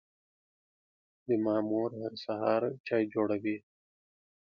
زما مور هر سهار چای جوړوي.